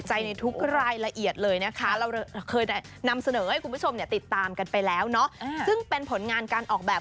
ยิ่งใหญ่มากเลยถูกต้องแล้วค่ะ๖๐๐เ